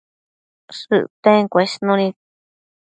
shëcten cuesnunid